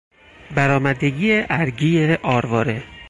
برآمدگی ارگی آرواره